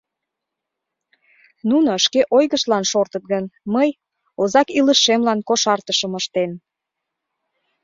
Нуно шке ойгыштлан шортыт гын, мый — озак илышемлан кошартышым ыштен.